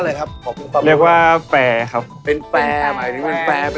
เฮ้ยเจ๋งว่ะเจ๋ง